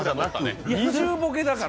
二重ボケだから。